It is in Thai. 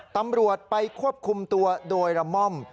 ตำรวจไปควบคุมตัวโดยละม่อม